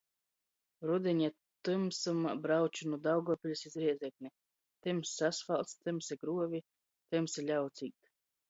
Rudiņa tymsumā brauču nu Daugovpiļs iz Rēzekni – tymss asfalts, tymsi gruovi, tymsi ļauds īt.